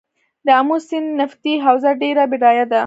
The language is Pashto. د امو سیند نفتي حوزه ډیره بډایه ده